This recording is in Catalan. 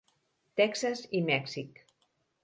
Texas i Mèxic.